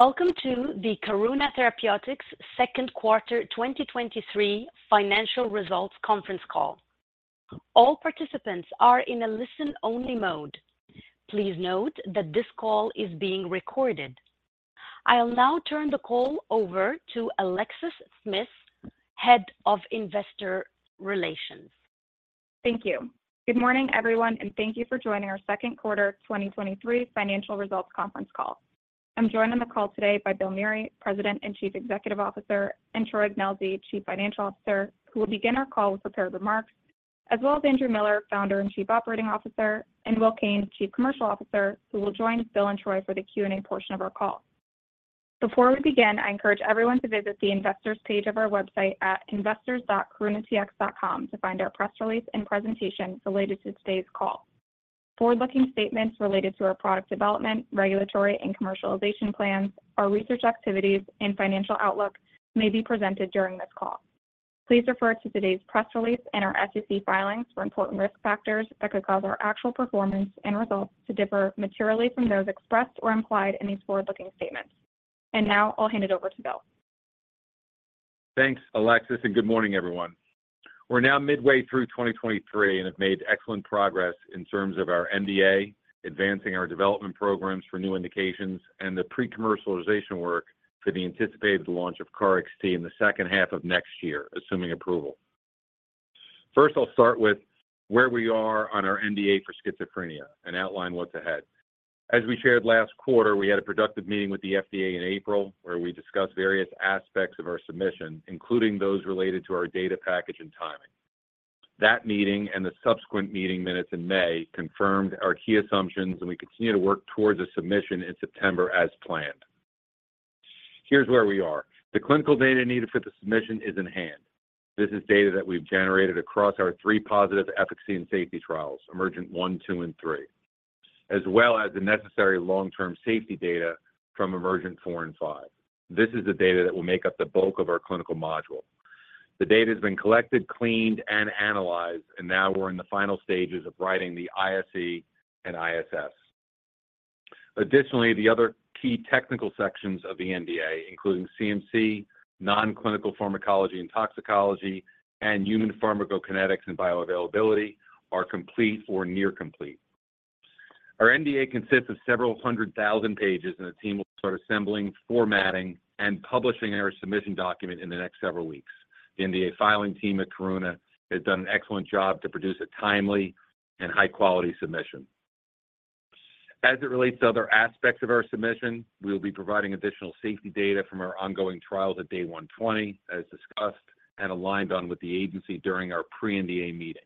Welcome to the Karuna Therapeutics second quarter 2023 financial results conference call. All participants are in a listen-only mode. Please note that this call is being recorded. I'll now turn the call over to Alexis Smith, Head of Investor Relations. Thank you. Good morning, everyone, and thank you for joining our second quarter 2023 financial results conference call. I'm joined on the call today by Bill Meury, President and Chief Executive Officer, and Troy Ignelzi, Chief Financial Officer, who will begin our call with prepared remarks, as well as Andrew Miller, Founder and Chief Operating Officer, and Will Kane, Chief Commercial Officer, who will join Bill and Troy for the Q&A portion of our call. Before we begin, I encourage everyone to visit the investors page of our website at investors.karunatx.com to find our press release and presentation related to today's call. Forward-looking statements related to our product development, regulatory and commercialization plans, our research activities and financial outlook may be presented during this call. Please refer to today's press release and our SEC filings for important risk factors that could cause our actual performance and results to differ materially from those expressed or implied in these forward-looking statements. Now I'll hand it over to Bill. Thanks, Alexis, and good morning, everyone. We're now midway through 2023 and have made excellent progress in terms of our NDA, advancing our development programs for new indications and the pre-commercialization work for the anticipated launch of KarXT in the second half of next year, assuming approval. First, I'll start with where we are on our NDA for schizophrenia and outline what's ahead. As we shared last quarter, we had a productive meeting with the FDA in April, where we discussed various aspects of our submission, including those related to our data package and timing. That meeting and the subsequent meeting minutes in May confirmed our key assumptions, and we continue to work towards a submission in September as planned. Here's where we are. The clinical data needed for the submission is in hand. This is data that we've generated across our 3 positive efficacy and safety trials, EMERGENT-1, -2, and -3, as well as the necessary long-term safety data from EMERGENT-4 and -5. This is the data that will make up the bulk of our clinical module. The data has been collected, cleaned, and analyzed. Now we're in the final stages of writing the ISE and ISS. Additionally, the other key technical sections of the NDA, including CMC, Nonclinical Pharmacology and Toxicology, and Human Pharmacokinetics and Bioavailability, are complete or near complete. Our NDA consists of several hundred thousand pages. The team will start assembling, formatting, and publishing our submission document in the next several weeks. The NDA filing team at Karuna has done an excellent job to produce a timely and high-quality submission. As it relates to other aspects of our submission, we will be providing additional safety data from our ongoing trials at day 120, as discussed and aligned on with the agency during our pre-NDA meeting.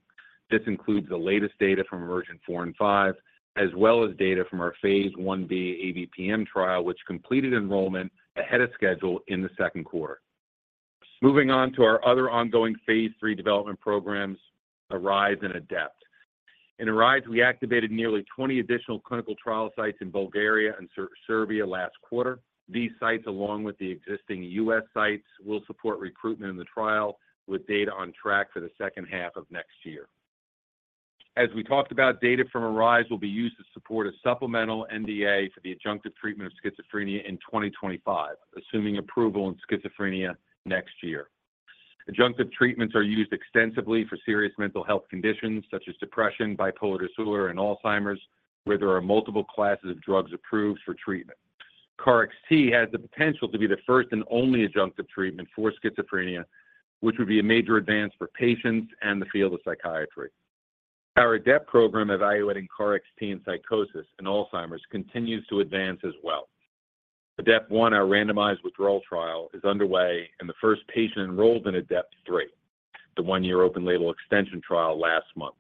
This includes the latest data from EMERGENT-4 and -5, as well as data from our phase I-B ABPM trial, which completed enrollment ahead of schedule in the second quarter. Moving on to our other ongoing phase III development programs, ARISE and ADEPT. In ARISE, we activated nearly 20 additional clinical trial sites in Bulgaria and Serbia last quarter. These sites, along with the existing U.S. sites, will support recruitment in the trial, with data on track for the second half of next year. As we talked about, data from ARISE will be used to support a supplemental NDA for the adjunctive treatment of schizophrenia in 2025, assuming approval in schizophrenia next year. Adjunctive treatments are used extensively for serious mental health conditions such as depression, bipolar disorder, and Alzheimer's, where there are multiple classes of drugs approved for treatment. KarXT has the potential to be the first and only adjunctive treatment for schizophrenia, which would be a major advance for patients and the field of psychiatry. Our ADEPT program, evaluating KarXT in psychosis and Alzheimer's, continues to advance as well. ADEPT-1, our randomized withdrawal trial, is underway and the first patient enrolled in ADEPT-3, the one-year open label extension trial last month.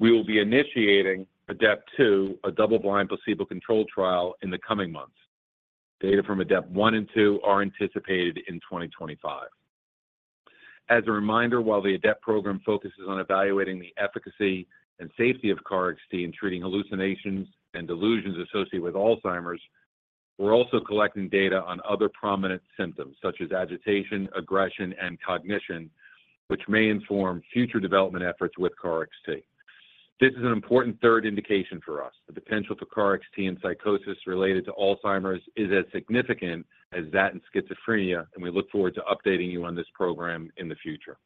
We will be initiating ADEPT-2, a double-blind, placebo-controlled trial in the coming months. Data from ADEPT-1 and -2 are anticipated in 2025. As a reminder, while the ADEPT program focuses on evaluating the efficacy and safety of KarXT in treating hallucinations and delusions associated with Alzheimer's, we're also collecting data on other prominent symptoms such as agitation, aggression, and cognition, which may inform future development efforts with KarXT. This is an important third indication for us. The potential for KarXT in psychosis related to Alzheimer's is as significant as that in schizophrenia, and we look forward to updating you on this program in the future.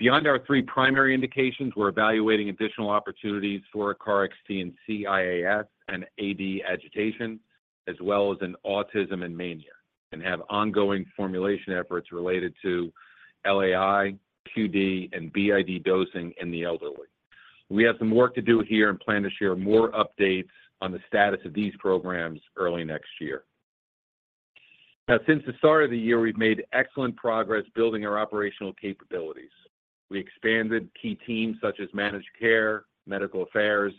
Beyond our three primary indications, we're evaluating additional opportunities for KarXT in CIAS and AD agitation, as well as in autism and mania, and have ongoing formulation efforts related to LAI, QD, and BID dosing in the elderly. We have some work to do here and plan to share more updates on the status of these programs early next year. Since the start of the year, we've made excellent progress building our operational capabilities. We expanded key teams such as Managed Care, Medical Affairs,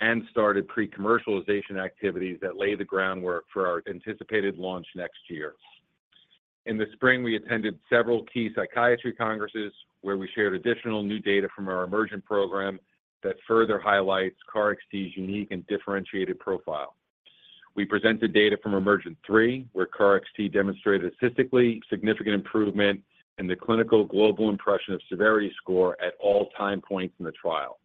and started pre-commercialization activities that lay the groundwork for our anticipated launch next year. In the spring, we attended several key psychiatry congresses, where we shared additional new data from our EMERGENT program that further highlights KarXT's unique and differentiated profile. We presented data from EMERGENT-3, where KarXT demonstrated a statistically significant improvement in the Clinical Global Impression-Severity score at all time points in the trial.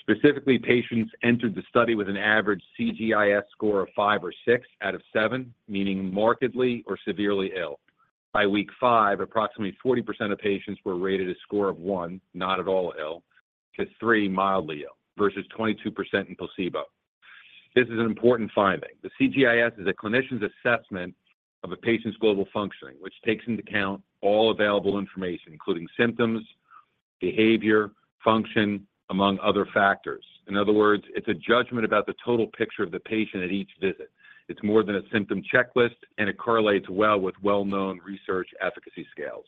Specifically, patients entered the study with an average CGI-S score of 5 or 6 out of 7, meaning markedly or severely ill. By week 5, approximately 40% of patients were rated a score of 1, not at all ill, to 3, mildly ill, versus 22% in placebo. This is an important finding. The CGI-S is a clinician's assessment of a patient's global functioning, which takes into account all available information, including symptoms, behavior, function, among other factors. In other words, it's a judgment about the total picture of the patient at each visit. It's more than a symptom checklist, and it correlates well with well-known research efficacy scales.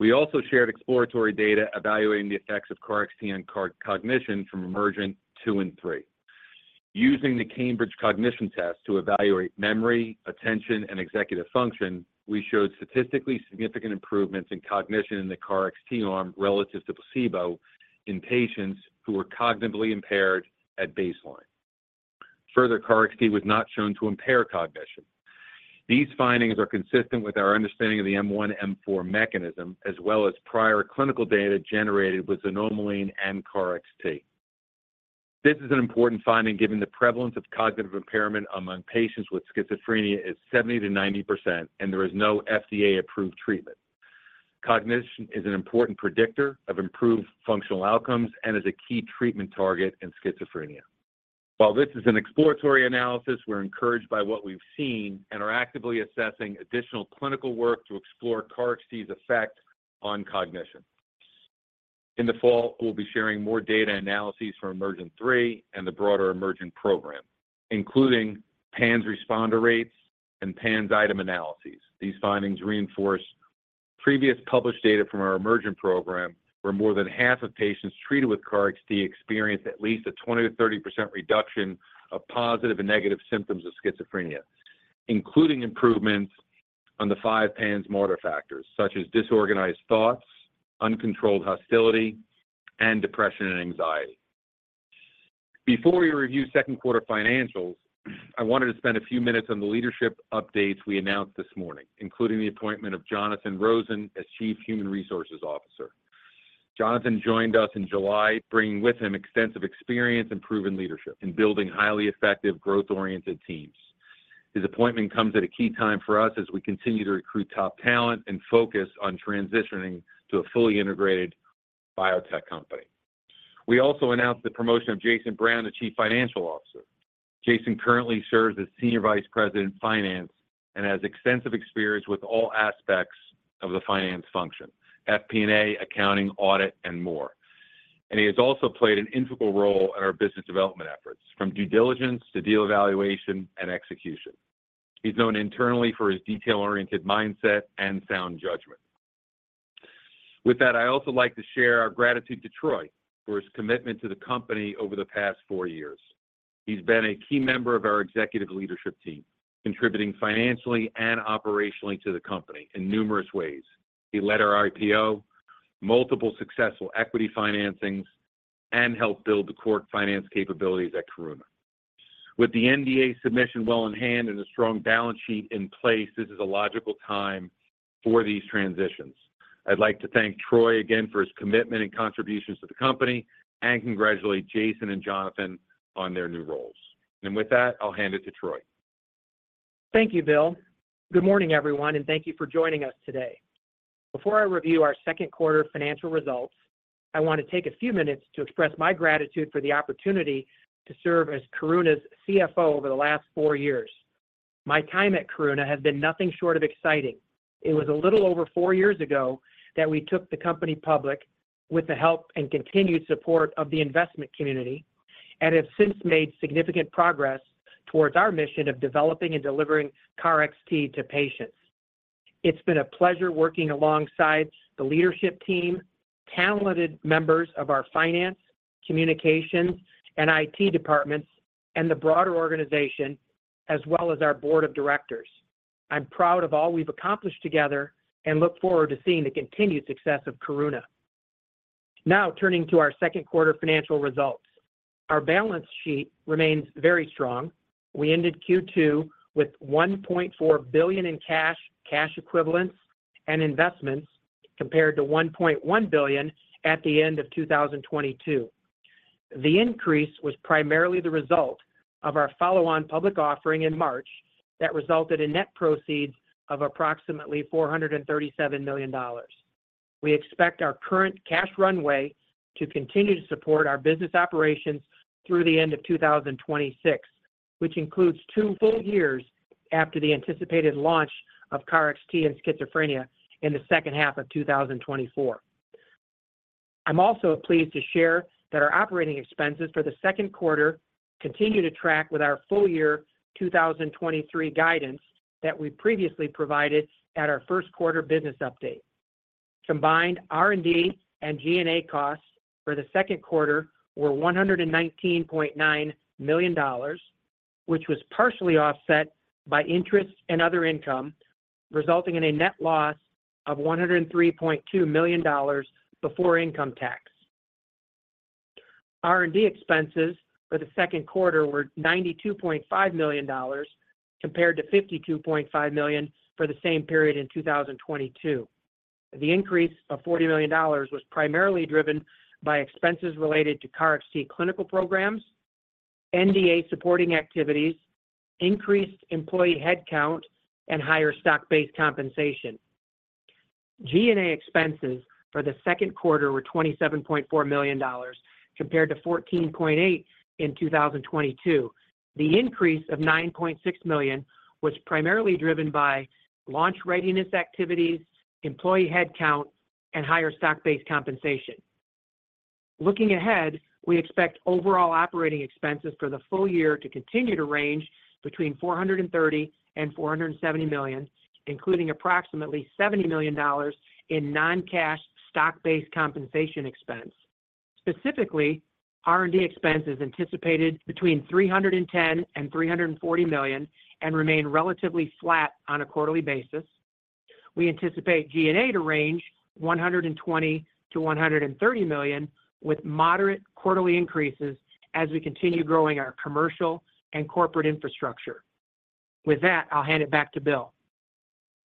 We also shared exploratory data evaluating the effects of KarXT and cognition from EMERGENT-2 and -3. Using the Cambridge Cognition Test to evaluate memory, attention, and executive function, we showed statistically significant improvements in cognition in the KarXT arm relatives to placebo in patients who were cognitively impaired at baseline. Further, KarXT was not shown to impair cognition. These findings are consistent with our understanding of the M1/M4 mechanism, as well as prior clinical data generated with xanomeline and KarXT. This is an important finding, given the prevalence of cognitive impairment among patients with schizophrenia is 70%-90%, and there is no FDA-approved treatment. Cognition is an important predictor of improved functional outcomes and is a key treatment target in schizophrenia. While this is an exploratory analysis, we're encouraged by what we've seen and are actively assessing additional clinical work to explore KarXT's effect on cognition. In the fall, we'll be sharing more data analyses for EMERGENT-3 and the broader EMERGENT program, including PANSS responder rates and PANSS item analyses. These findings reinforce previous published data from our EMERGENT program, where more than half of patients treated with KarXT experienced at least a 20%-30% reduction of positive and negative symptoms of schizophrenia, including improvements on the 5 PANSS motor factors, such as disorganized thoughts, uncontrolled hostility, and depression and anxiety. Before we review second quarter financials, I wanted to spend a few minutes on the leadership updates we announced this morning, including the appointment of Jonathan Rosin as Chief Human Resources Officer. Jonathan joined us in July, bringing with him extensive experience and proven leadership in building highly effective, growth-oriented teams. His appointment comes at a key time for us as we continue to recruit top talent and focus on transitioning to a fully integrated biotech company. We also announced the promotion of Jason Brown to Chief Financial Officer. Jason currently serves as Senior Vice President of Finance and has extensive experience with all aspects of the finance function, FP&A, accounting, audit, and more. He has also played an integral role in our business development efforts, from due diligence to deal evaluation and execution. He's known internally for his detail-oriented mindset and sound judgment. With that, I'd also like to share our gratitude to Troy for his commitment to the company over the past four years. He's been a key member of our executive leadership team, contributing financially and operationally to the company in numerous ways. He led our IPO, multiple successful equity financings, and helped build the core finance capabilities at Karuna. With the NDA submission well in hand and a strong balance sheet in place, this is a logical time for these transitions. I'd like to thank Troy again for his commitment and contributions to the company and congratulate Jason and Jonathan on their new roles. With that, I'll hand it to Troy. Thank you, Bill. Good morning, everyone, and thank you for joining us today. Before I review our second quarter financial results, I want to take a few minutes to express my gratitude for the opportunity to serve as Karuna's CFO over the last four years. My time at Karuna has been nothing short of exciting. It was a little over four years ago that we took the company public with the help and continued support of the investment community and have since made significant progress towards our mission of developing and delivering KarXT to patients. It's been a pleasure working alongside the leadership team, talented members of our finance, communications, and IT departments, and the broader organization, as well as our board of directors. I'm proud of all we've accomplished together and look forward to seeing the continued success of Karuna. Now, turning to our second quarter financial results. Our balance sheet remains very strong. We ended Q2 with $1.4 billion in cash, cash equivalents, and investments, compared to $1.1 billion at the end of 2022. The increase was primarily the result of our follow-on public offering in March that resulted in net proceeds of approximately $437 million. We expect our current cash runway to continue to support our business operations through the end of 2026, which includes two full years after the anticipated launch of KarXT and schizophrenia in the second half of 2024. I'm also pleased to share that our operating expenses for the second quarter continue to track with our full year 2023 guidance that we previously provided at our first quarter business update. Combined R&D and G&A costs for the second quarter were $119.9 million, which was partially offset by interest and other income, resulting in a net loss of $103.2 million before income tax. R&D expenses for the second quarter were $92.5 million compared to $52.5 million for the same period in 2022. The increase of $40 million was primarily driven by expenses related to KarXT clinical programs, NDA supporting activities, increased employee headcount, and higher stock-based compensation. G&A expenses for the second quarter were $27.4 million, compared to $14.8 million in 2022. The increase of $9.6 million was primarily driven by launch readiness activities, employee headcount, and higher stock-based compensation. Looking ahead, we expect overall operating expenses for the full year to continue to range between $430 million and $470 million, including approximately $70 million in non-cash stock-based compensation expense. Specifically, R&D expense is anticipated between $310 million and $340 million and remain relatively flat on a quarterly basis. We anticipate G&A to range $120 million-$130 million, with moderate quarterly increases as we continue growing our commercial and corporate infrastructure. That, I'll hand it back to Bill.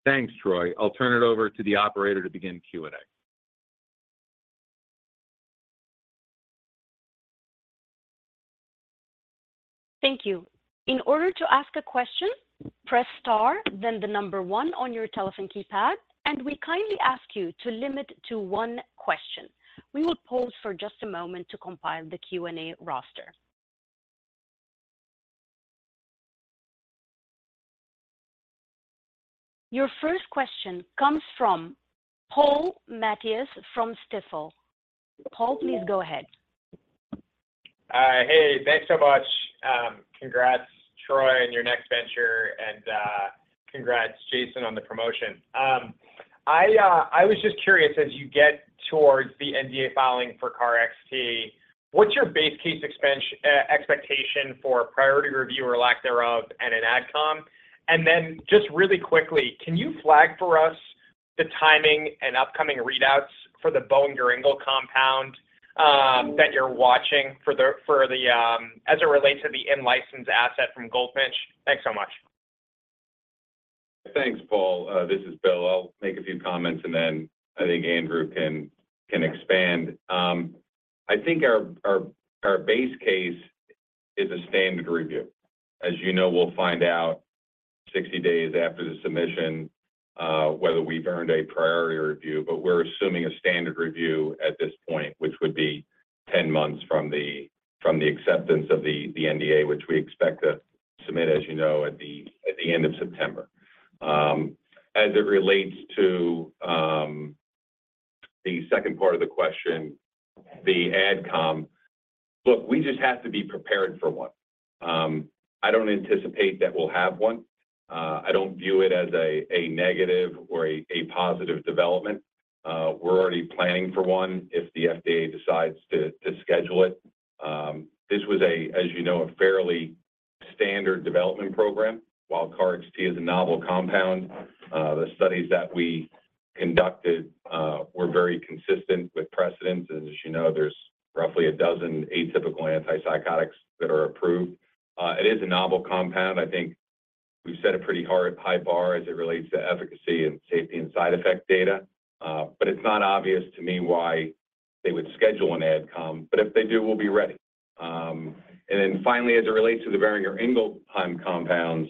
Thanks, Troy. I'll turn it over to the operator to begin Q&A. Thank you. In order to ask a question, press star, then the number one on your telephone keypad, and we kindly ask you to limit to one question. We will pause for just a moment to compile the Q&A roster. Your first question comes from Paul Matteis from Stifel. Paul, please go ahead. Hey, thanks so much. Congrats, Troy, on your next venture, and congrats, Jason, on the promotion. I was just curious, as you get towards the NDA filing for KarXT, what's your base case expectation for priority review or lack thereof at an AdCom? Then just really quickly, can you flag for us the timing and upcoming readouts for the Boehringer Ingelheim compound that you're watching for the, for the, as it relates to the in-license asset from Goldfinch? Thanks so much. Thanks, Paul. This is Bill. I'll make a few comments, and then I think Andrew Miller can, can expand. I think our, our, our base case is a standard review. As you know, we'll find out 60 days after the submission, whether we've earned a priority review. We're assuming a standard review at this point, which would be 10 months from the, from the acceptance of the, the NDA, which we expect to submit, as you know, at the, at the end of September. As it relates to, the second part of the question, the AdCom, look, we just have to be prepared for one. I don't anticipate that we'll have one. I don't view it as a, a negative or a, a positive development. We're already planning for one if the FDA decides to, to schedule it. This was a, as you know, a fairly standard development program. While KarXT is a novel compound, the studies that we conducted, were very consistent with precedents. As you know, there's roughly a dozen atypical antipsychotics that are approved. It is a novel compound. I think we've set a pretty hard, high bar as it relates to efficacy and safety and side effect data, but it's not obvious to me why they would schedule an Ad Comm. If they do, we'll be ready. Finally, as it relates to the Boehringer Ingelheim compounds,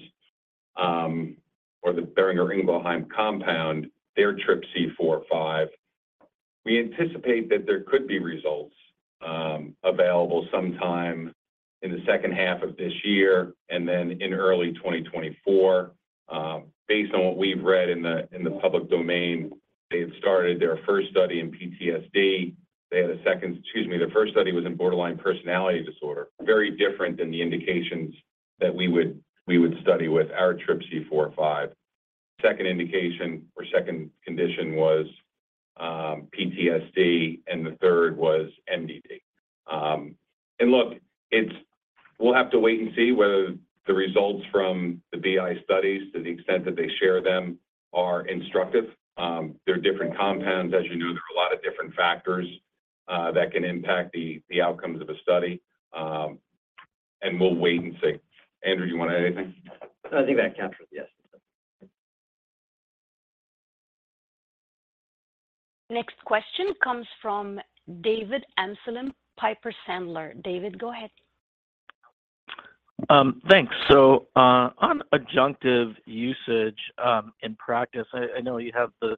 or the Boehringer Ingelheim compound, their TRPC4/5, we anticipate that there could be results, available sometime in the second half of this year and then in early 2024. Based on what we've read in the, in the public domain, they had started their first study in PTSD. Excuse me, their first study was in borderline personality disorder. Very different than the indications that we would, we would study with our TRPC4/5. Second indication or second condition was PTSD, and the third was MDD. Look, we'll have to wait and see whether the results from the BI studies, to the extent that they share them, are instructive. They're different compounds. As you know, there are a lot of different factors that can impact the, the outcomes of a study. We'll wait and see. Andrew, you want to add anything? No, I think that captures it. Yes. Next question comes from David Amsellem, Piper Sandler. David, go ahead. Thanks. On adjunctive usage, in practice, I know you have the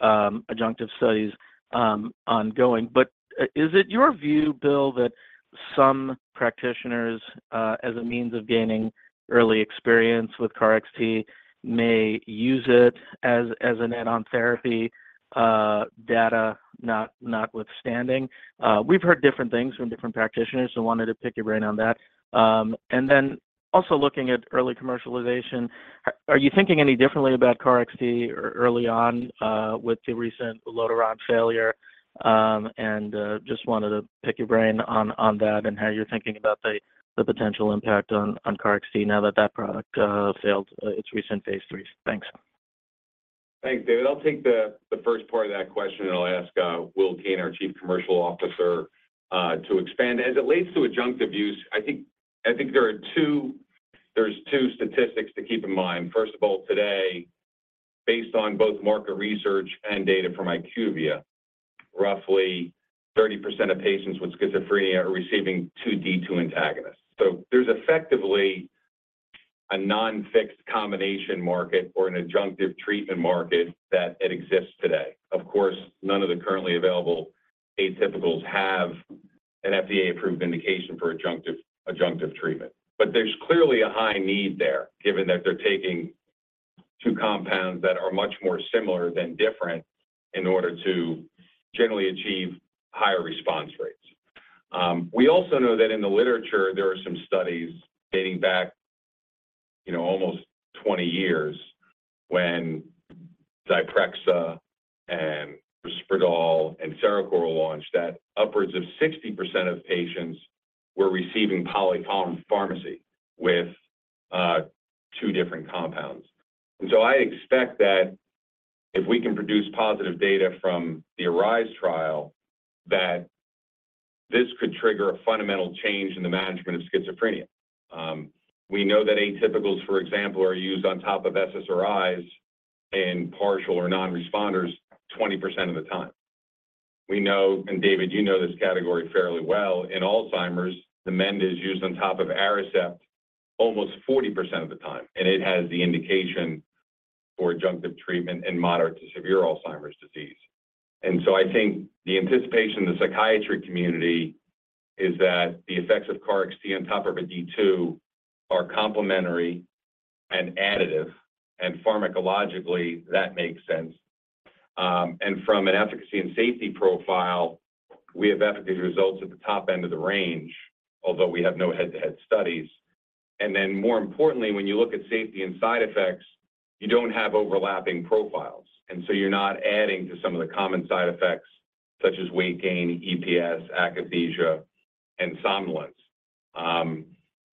adjunctive studies ongoing, but is it your view, Bill, that some practitioners, as a means of gaining early experience with KarXT, may use it as an add-on therapy, data notwithstanding? We've heard different things from different practitioners and wanted to pick your brain on that. Looking at early commercialization, are you thinking any differently about KarXT early on with the recent ulotaront failure? Just wanted to pick your brain on that and how you're thinking about the potential impact on KarXT now that that product failed its recent phase III. Thanks. Thanks, David. I'll take the first part of that question, and I'll ask Will Kane, our Chief Commercial Officer, to expand. As it relates to adjunctive use, I think there's two statistics to keep in mind. First of all, today, based on both market research and data from IQVIA, roughly 30% of patients with schizophrenia are receiving two D2 antagonists. There's effectively a non-fixed combination market or an adjunctive treatment market that it exists today. Of course, none of the currently available atypicals have an FDA-approved indication for adjunctive treatment. There's clearly a high need there, given that they're taking two compounds that are much more similar than different in order to generally achieve higher response rates. We also know that in the literature, there are some studies dating back, you know, almost 20 years when Zyprexa and Risperdal and Seroquel were launched, that upwards of 60% of patients were receiving polypharmacy with two different compounds. I expect that if we can produce positive data from the ARISE trial, that this could trigger a fundamental change in the management of schizophrenia. We know that atypicals, for example, are used on top of SSRIs in partial or non-responders 20% of the time. We know, and David, you know this category fairly well, in Alzheimer's, Namenda is used on top of Aricept almost 40% of the time, and it has the indication for adjunctive treatment in moderate to severe Alzheimer's disease. I think the anticipation in the psychiatry community is that the effects of KarXT on top of a D2 are complementary and additive, and pharmacologically, that makes sense. From an efficacy and safety profile, we have efficacy results at the top end of the range, although we have no head-to-head studies. More importantly, when you look at safety and side effects, you don't have overlapping profiles, and so you're not adding to some of the common side effects, such as weight gain, EPS, akathisia, and somnolence.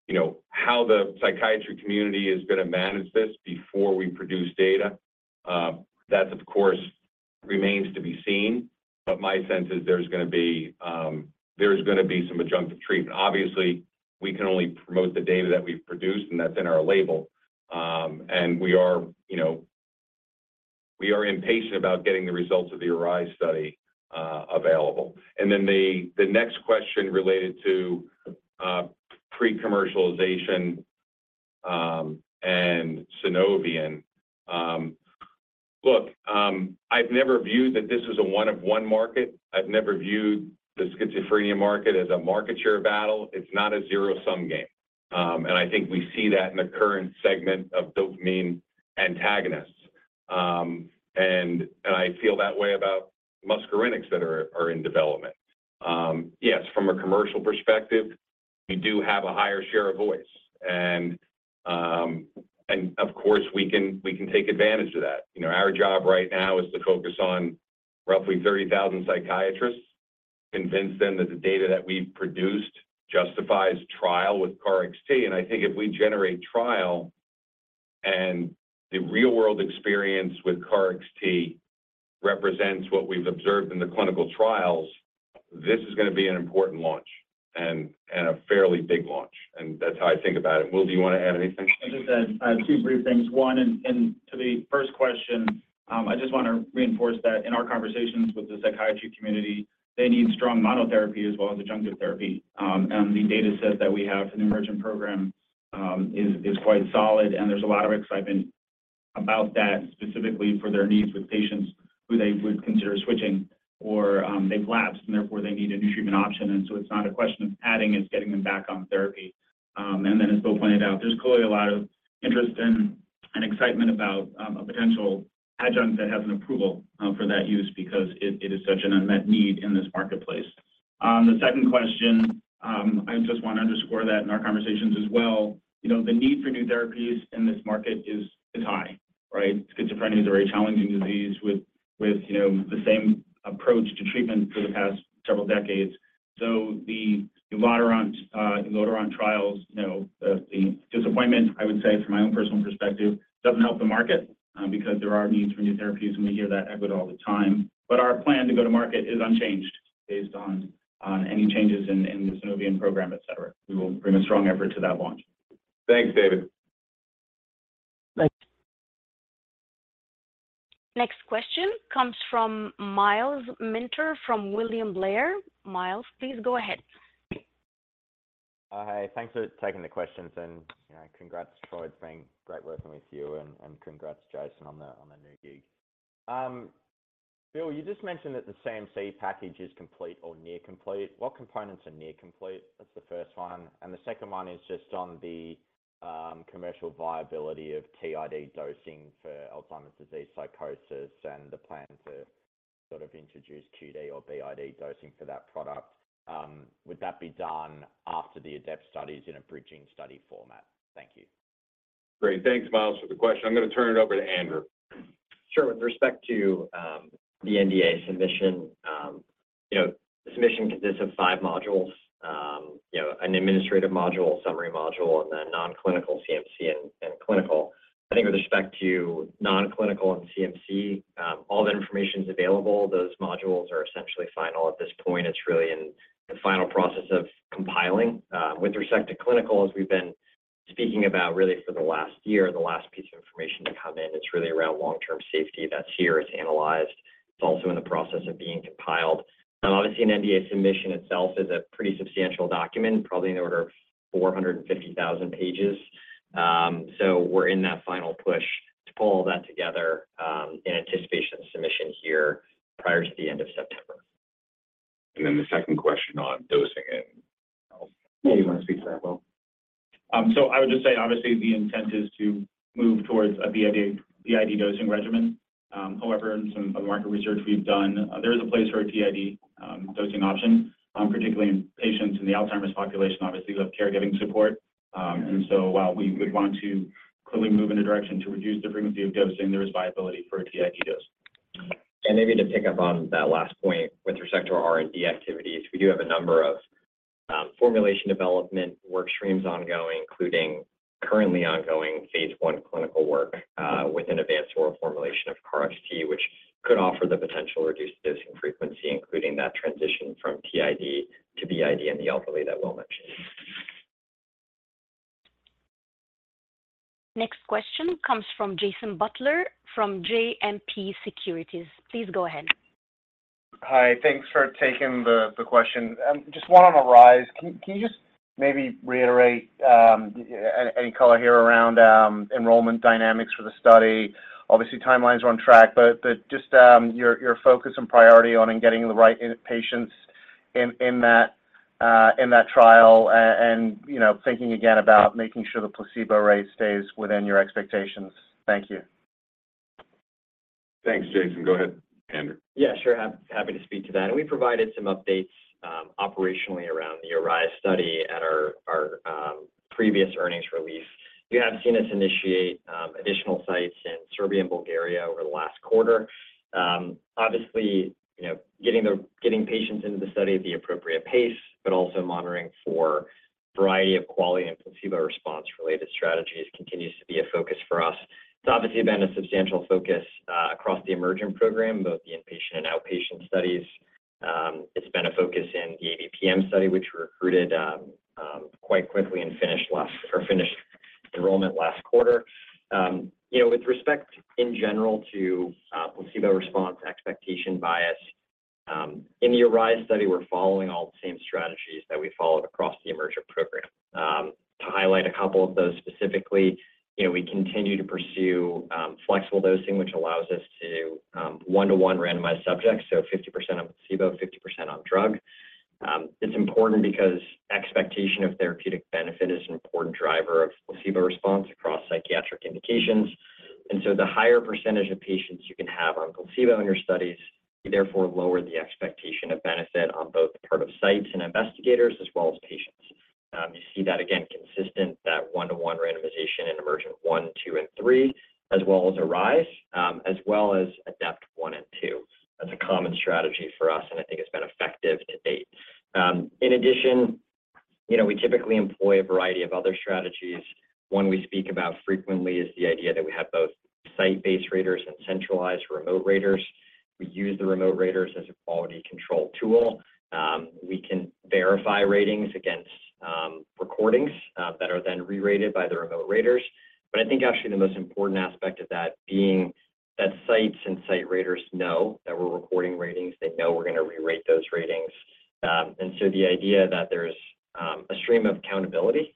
You know, how the psychiatry community is going to manage this before we produce data, that, of course, remains to be seen. My sense is there's going to be, there's going to be some adjunctive treatment. Obviously, we can only promote the data that we've produced, and that's in our label. We are, you know, we are impatient about getting the results of the ARISE study available. The next question related to pre-commercialization and Sunovion. Look, I've never viewed that this was a one-of-one market. I've never viewed the schizophrenia market as a market share battle. It's not a zero-sum game. I think we see that in the current segment of dopamine antagonists. I feel that way about muscarinics that are in development. Yes, from a commercial perspective, we do have a higher share of voice. Of course, we can take advantage of that. You know, our job right now is to focus on roughly 30,000 psychiatrists, convince them that the data that we've produced justifies trial with KarXT. I think if we generate trial and the real-world experience with KarXT represents what we've observed in the clinical trials, this is going to be an important launch and a fairly big launch, and that's how I think about it. Will, do you want to add anything? I just add two brief things. One, and to the first question, I just want to reinforce that in our conversations with the psychiatry community, they need strong monotherapy as well as adjunctive therapy. The data set that we have for the EMERGENT program is quite solid, and there's a lot of excitement about that, specifically for their needs with patients who they would consider switching or they've lapsed, and therefore they need a new treatment option. So it's not a question of adding, it's getting them back on therapy. Then as Bill pointed out, there's clearly a lot of interest and excitement about a potential adjunct that has an approval for that use because it is such an unmet need in this marketplace. The second question, I just want to underscore that in our conversations as well, you know, the need for new therapies in this market is, is high, right? Schizophrenia is a very challenging disease with, with, you know, the same approach to treatment for the past several decades. The Luvox trials, you know, the, the disappointment, I would say, from my own personal perspective, doesn't help the market because there are needs for new therapies, and we hear that echoed all the time. Our plan to go to market is unchanged based on, on any changes in, in the Sunovion program, et cetera. We will bring a strong effort to that launch. Thanks, David. Thank you. Next question comes from Myles Minter from William Blair. Myles, please go ahead. Hi. Thanks for taking the questions, and, you know, congrats, Troy. It's been great working with you, and congrats, Jason, on the new gig. Bill, you just mentioned that the CMC package is complete or near complete. What components are near complete? That's the first one, and the second one is just on the commercial viability of TID dosing for Alzheimer's disease psychosis and the plan to sort of introduce QD or BID dosing for that product. Would that be done after the ADEPT studies in a bridging study format? Thank you. Great. Thanks, Myles, for the question. I'm going to turn it over to Andrew. Sure. With respect to the NDA submission. The submission consists of five modules, an administrative module, summary module, non-clinical CMC and clinical. I think with respect to non-clinical and CMC, all that information is available. Those modules are essentially final at this point. It's really in the final process of compiling. With respect to clinical, as we've been speaking about really for the last one year, the last piece of information to come in, it's really around long-term safety. That's here, it's analyzed. It's also in the process of being compiled. Obviously, an NDA submission itself is a pretty substantial document, probably in the order of 450,000 pages. We're in that final push to pull all that together in anticipation of submission here prior to the end of September. The second question on dosing and- Yeah, you want to speak to that, Will? I would just say, obviously, the intent is to move towards a BID, BID dosing regimen. However, in some market research we've done, there is a place for a TID, dosing option, particularly in patients in the Alzheimer's population, obviously, who have caregiving support. While we would want to clearly move in a direction to reduce the frequency of dosing, there is viability for a TID dose. Maybe to pick up on that last point with respect to our R&D activities, we do have a number of formulation development work streams ongoing, including currently ongoing phase I clinical work with an advanced oral formulation of KarXT, which could offer the potential reduced dosing frequency, including that transition from TID to BID in the elderly that Will mentioned. Next question comes from Jason Butler from JMP Securities. Please go ahead. Hi, thanks for taking the, the question. Just one on ARISE. Can, can you just maybe reiterate, any, any color here around enrollment dynamics for the study? Obviously, timelines are on track, but, but just, your, your focus and priority on in getting the right in- patients in, in that trial, and, you know, thinking again about making sure the placebo rate stays within your expectations. Thank you. Thanks, Jason. Go ahead, Andrew. Yeah, sure. Happy to speak to that. We provided some updates, operationally around the ARISE study at our, our, previous earnings release. You have seen us initiate additional sites in Serbia and Bulgaria over the last quarter. Obviously, you know, getting patients into the study at the appropriate pace, but also monitoring for variety of quality and placebo response-related strategies continues to be a focus for us. It's obviously been a substantial focus across the EMERGENT program, both the inpatient and outpatient studies. It's been a focus in the ABPM study, which recruited quite quickly and finished last or finished enrollment last quarter. You know, with respect in general to placebo response, expectation bias, in the ARISE study, we're following all the same strategies that we followed across the EMERGENT program. To highlight a couple of those specifically, you know, we continue to pursue flexible dosing, which allows us to one-to-one randomized subjects, so 50% on placebo, 50% on drug. It's important because expectation of therapeutic benefit is an important driver of placebo response across psychiatric indications. The higher percentage of patients you can have on placebo in your studies, you therefore lower the expectation of benefit on both the part of sites and investigators, as well as patients. You see that again, consistent, that one-to-one randomization in EMERGENT-1, -2, and -3, as well as ARISE, as well as ADEPT-1 and -2. That's a common strategy for us, and I think it's been effective to date. In addition, you know, we typically employ a variety of other strategies. One we speak about frequently is the idea that we have both site-based raters and centralized remote raters. We can verify ratings against recordings that are then re-rated by the remote raters. I think actually the most important aspect of that being that sites and site raters know that we're recording ratings. They know we're going to re-rate those ratings. The idea that there's a stream of accountability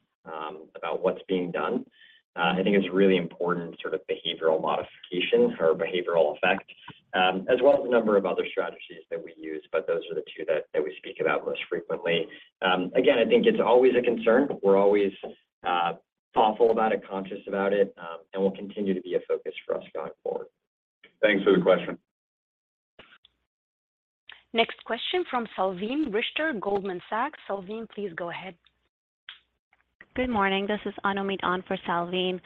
about what's being done, I think is really important sort of behavioral modification or behavioral effect, as well as a number of other strategies that we use, but those are the two that, that we speak about most frequently. Again, I think it's always a concern. We're always thoughtful about it, conscious about it, and will continue to be a focus for us going forward. Thanks for the question. Next question from Salveen Richter, Goldman Sachs. Salveen, please go ahead. Good morning, this is Anumit on for Salveen.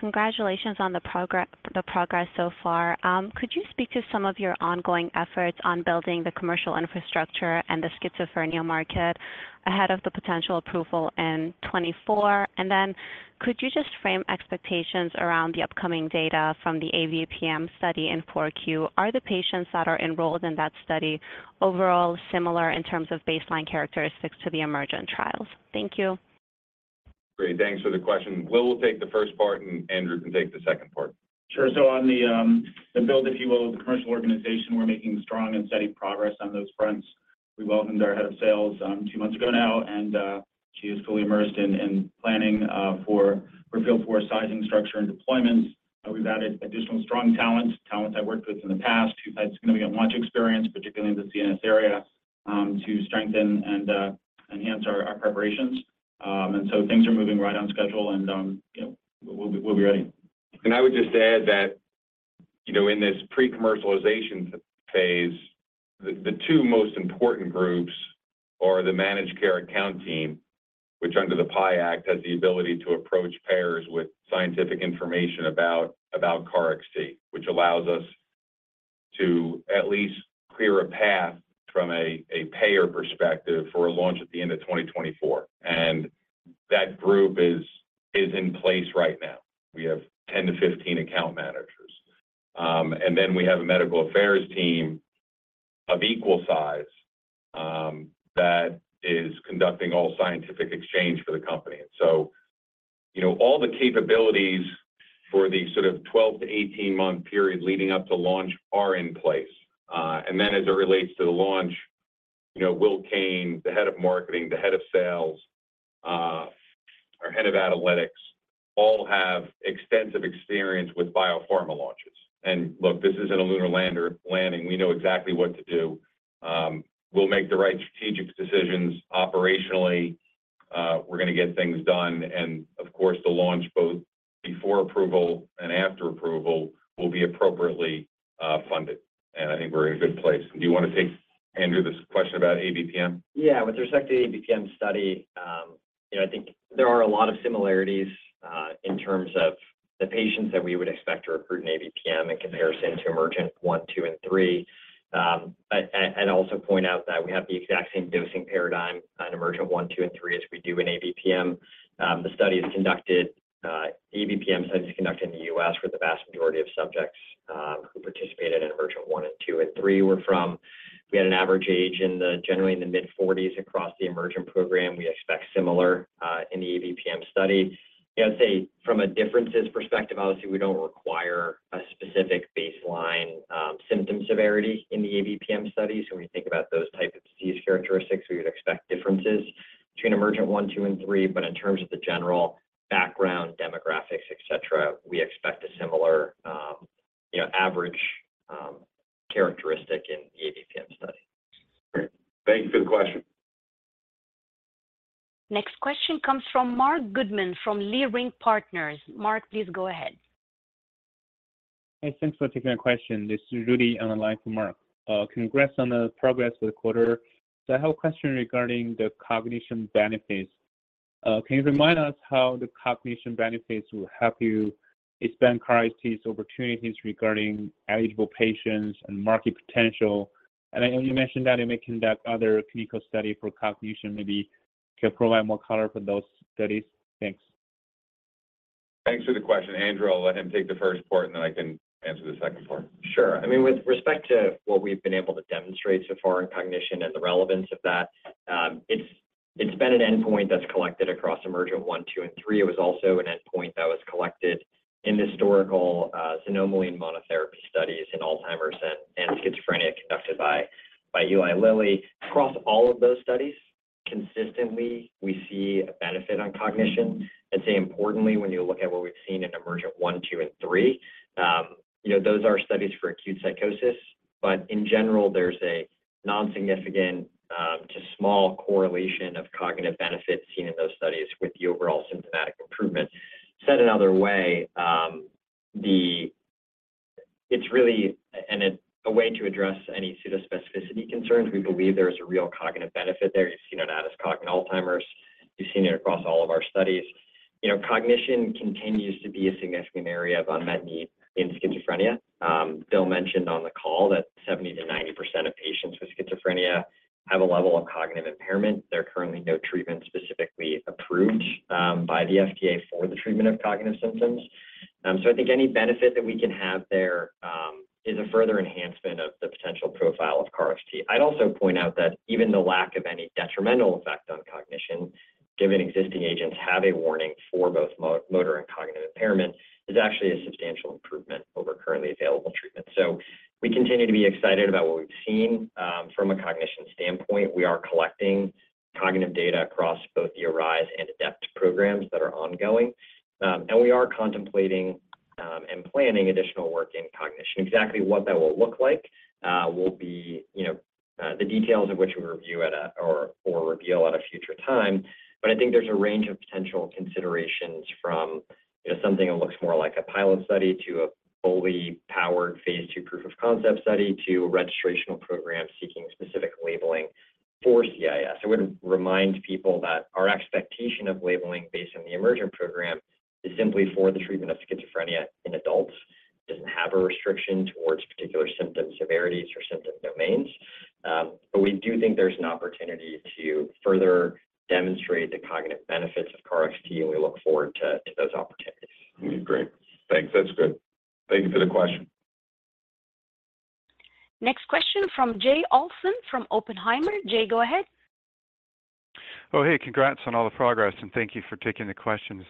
Congratulations on the progress, the progress so far. Could you speak to some of your ongoing efforts on building the commercial infrastructure and the schizophrenia market ahead of the potential approval in 2024? Then could you just frame expectations around the upcoming data from the ABPM study in 4Q? Are the patients that are enrolled in that study overall similar in terms of baseline characteristics to the EMERGENT trials? Thank you. Great. Thanks for the question. Will will take the first part, and Andrew can take the second part. Sure. On the build, if you will, of the commercial organization, we're making strong and steady progress on those fronts. We welcomed our head of sales, two months ago now, and she is fully immersed in, in planning, for, for field force, sizing, structure, and deployments. We've added additional strong talent, talent I worked with in the past, who has significant launch experience, particularly in the CNS area, to strengthen and enhance our, our preparations. Things are moving right on schedule, and, you know, we'll be, we'll be ready. I would just add that, you know, in this pre-commercialization phase, the two most important groups are the Managed Care account team, which under the PIE Act has the ability to approach payers with scientific information about, about KarXT, which allows us to at least clear a path from a, a payer perspective for a launch at the end of 2024. That group is, is in place right now. We have 10-15 account managers. We have a Medical Affairs team of equal size that is conducting all scientific exchange for the company. You know, all the capabilities for the sort of 12-18-month period leading up to launch are in place. As it relates to the launch, you know, Will Kane, the head of marketing, the head of sales, our head of analytics, all have extensive experience with biopharma launches. Look, this isn't a lunar lander landing. We know exactly what to do. We'll make the right strategic decisions operationally. We're going to get things done, and of course, the launch, both before approval and after approval, will be appropriately funded. I think we're in a good place. Do you want to take, Andrew, this question about ABPM? Yeah. With respect to the ABPM study, you know, I think there are a lot of similarities in terms of the patients that we would expect to recruit in ABPM in comparison to EMERGENT-1, -2, and -3. I, and, and I also point out that we have the exact same dosing paradigm in EMERGENT-1, -2, and -3 as we do in ABPM. The study is conducted, ABPM study is conducted in the U.S., where the vast majority of subjects who participated in EMERGENT-1, -2, and -3 were from. We had an average age in the generally in the mid-40s across the EMERGENT program. We expect similar in the ABPM study. I would say from a differences perspective, obviously, we don't require a specific baseline, symptom severity in the ABPM study. When you think about those type of disease characteristics, we would expect differences between EMERGENT-1, -2, and -3. In terms of the general background, demographics, et cetera, we expect a similar, you know, average, characteristic in the ABPM study. Great. Thanks for the question. Next question comes from Marc Goodman, from Leerink Partners. Marc, please go ahead. Hey, thanks for taking my question. This is Rudy Li on the line for Mark. Congrats on the progress of the quarter. I have a question regarding the cognition benefits. Can you remind us how the cognition benefits will help you expand KarXT's opportunities regarding eligible patients and market potential? I know you mentioned that in making that other clinical study for cognition, maybe you could provide more color for those studies. Thanks. Thanks for the question, Andrew. I'll let him take the first part, and then I can answer the second part. Sure. I mean, with respect to what we've been able to demonstrate so far in cognition and the relevance of that, it's, it's been an endpoint that's collected across EMERGENT-1, -2, and -3. It was also an endpoint that was collected in historical xanomeline monotherapy studies in Alzheimer's and schizophrenia conducted by Eli Lilly. Across all of those studies, consistently, we see a benefit on cognition. I'd say importantly, when you look at what we've seen in EMERGENT-1, -2, and -3, you know, those are studies for acute psychosis, but in general, there's a non-significant to small correlation of cognitive benefits seen in those studies with the overall symptomatic improvement. Said another way, it's really an, a way to address any pseudospecificity concerns. We believe there is a real cognitive benefit there. You've seen it out as cog in Alzheimer's. You've seen it across all of our studies. You know, cognition continues to be a significant area of unmet need in schizophrenia. Bill mentioned on the call that 70%-90% of patients with schizophrenia have a level of cognitive impairment. There are currently no treatments specifically approved by the FDA for the treatment of cognitive symptoms. I think any benefit that we can have there is a further enhancement of the potential profile of KarXT. I'd also point out that even the lack of any detrimental effect on cognition, given existing agents have a warning for both motor and cognitive impairment, is actually a substantial improvement over currently available treatments. We continue to be excited about what we've seen. From a cognition standpoint, we are collecting cognitive data across both the ARISE and ADEPT programs that are ongoing, and we are contemplating and planning additional work in cognition. Exactly what that will look like, will be, you know, the details of which we review at a or, or reveal at a future time. I think there's a range of potential considerations from, you know, something that looks more like a pilot study to a fully powered phase II proof of concept study, to a registrational program seeking specific labeling for CIAS. I would remind people that our expectation of labeling based on the EMERGENT program is simply for the treatment of schizophrenia in adults, doesn't have a restriction towards particular symptom severities or symptom domains. We do think there's an opportunity to further demonstrate the cognitive benefits of KarXT, and we look forward to those opportunities. Great. Thanks. That's good. Thank you for the question. Next question from Jay Olson from Oppenheimer. Jay, go ahead. Oh, hey, congrats on all the progress, and thank you for taking the questions.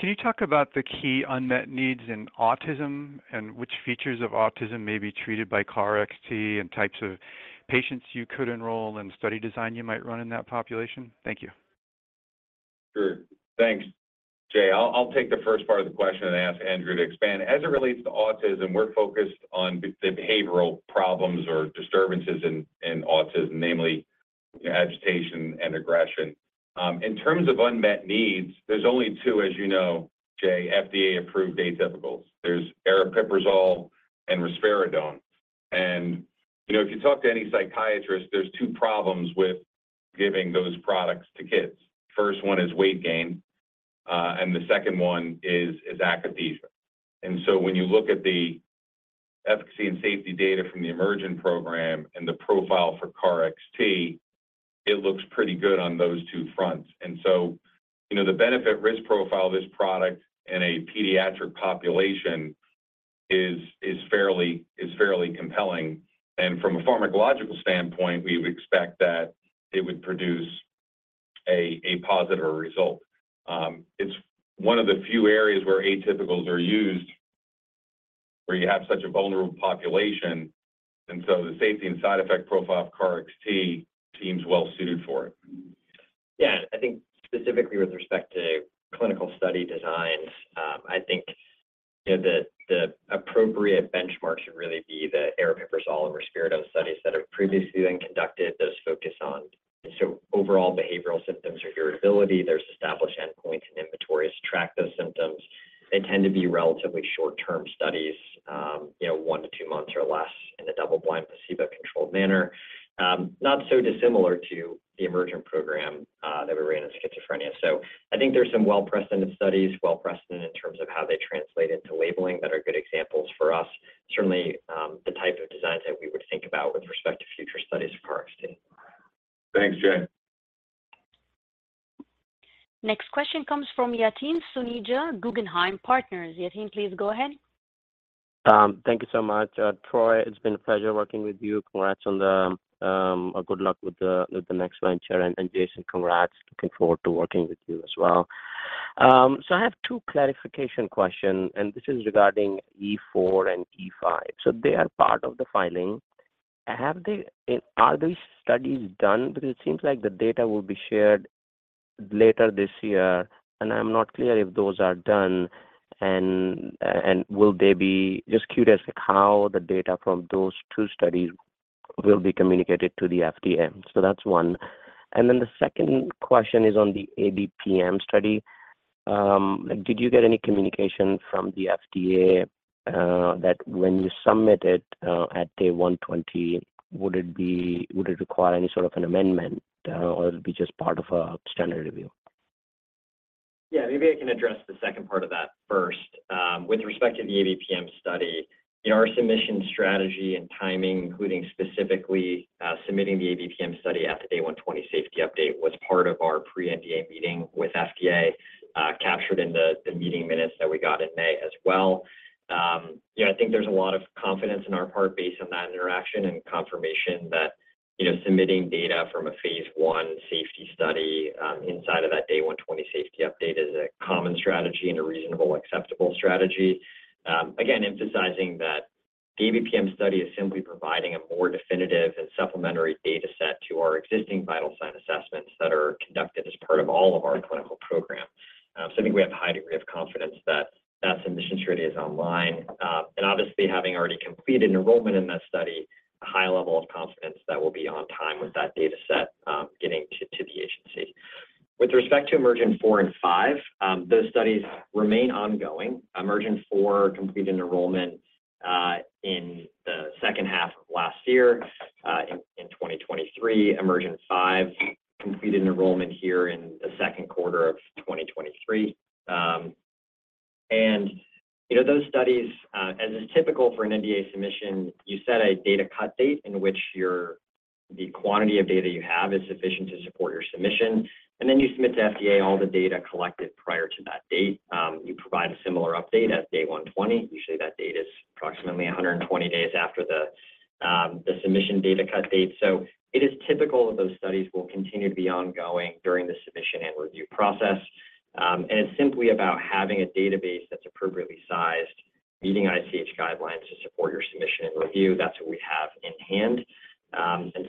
Can you talk about the key unmet needs in autism and which features of autism may be treated by KarXT and types of patients you could enroll and study design you might run in that population? Thank you. Sure. Thanks, Jay. I'll take the first part of the question and ask Andrew to expand. As it relates to autism, we're focused on the behavioral problems or disturbances in, in autism, namely agitation and aggression. In terms of unmet needs, there's only two, as you know, Jay, FDA-approved atypicals. There's aripiprazole and risperidone. You know, if you talk to any psychiatrist, there's two problems with giving those products to kids. First one is weight gain, and the second one is akathisia. So when you look at the efficacy and safety data from the EMERGENT program and the profile for KarXT, it looks pretty good on those two fronts. So, you know, the benefit risk profile of this product in a pediatric population is, is fairly, is fairly compelling, and from a pharmacological standpoint, we would expect that it would produce a, a positive result. It's one of the few areas where atypicals are used, where you have such a vulnerable population, and so the safety and side effect profile of KarXT seems well suited for it. Yeah, I think specifically with respect to clinical study designs, I think, you know, the, the appropriate benchmark should really be the aripiprazole or risperidone studies that have previously been conducted, those focus on. Overall behavioral symptoms or durability, there's established endpoints and inventories to track those symptoms. They tend to be relatively short-term studies, you know, one to two months or less in a double-blind, placebo-controlled manner. Not so dissimilar to the EMERGENT program, that we ran in schizophrenia. I think there's some well precedent studies, well precedent in terms of how they translate into labeling that are good examples for us. Certainly, the type of designs that we would think about with respect to future studies of KarXT. Thanks, Jay. Next question comes from Yatin Suneja, Guggenheim Partners. Yatin, please go ahead. Thank you so much. Troy, it's been a pleasure working with you. Congrats on the, or good luck with the, with the next venture, and, and Jason, congrats. Looking forward to working with you as well. So I have two clarification question, and this is regarding E4 and E5. They are part of the filing. Have they-- Are these studies done? Because it seems like the data will be shared later this year, and I'm not clear if those are done. And, and will they be... Just curious how the data from those two studies will be communicated to the FDA. That's one. Then the second question is on the ABPM study. Did you get any communication from the FDA, that when you submit it, at day 120, would it require any sort of an amendment, or it'll be just part of a standard review? Yeah, maybe I can address the second part of that first. With respect to the ABPM study, our submission strategy and timing, including specifically, submitting the ABPM study at the day 120 safety update, was part of our pre-NDA meeting with FDA, captured in the meeting minutes that we got in May as well. Yeah, I think there's a lot of confidence in our part based on that interaction and confirmation that, you know, submitting data from a phase I safety study, inside of that day 120 safety update is a common strategy and a reasonable, acceptable strategy. Again, emphasizing that the ABPM study is simply providing a more definitive and supplementary data set to our existing vital sign assessments that are conducted as part of all of our clinical program. I think we have a high degree of confidence that that submission strategy is online. Obviously, having already completed enrollment in that study, a high level of confidence that we'll be on time with that data set, getting to the agency. With respect to EMERGENT-4 and -5, those studies remain ongoing. EMERGENT-4 completed enrollment in the second half of last year in 2023. EMERGENT-5 completed enrollment here in the second quarter of 2023. Those studies, as is typical for an NDA submission, you set a data cut date in which your, the quantity of data you have is sufficient to support your submission, and then you submit to FDA all the data collected prior to that date. You provide a similar update at day 120. Usually, that date is approximately 120 days after the, the submission data cut date. It is typical that those studies will continue to be ongoing during the submission and review process. It's simply about having a database that's appropriately sized, meeting ICH guidelines to support your submission and review. That's what we have in hand.